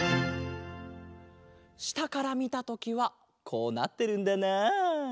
したからみたときはこうなってるんだな。